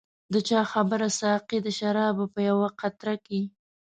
د چا خبره ساقي د شرابو په یوه قطره کې.